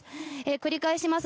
繰り返します。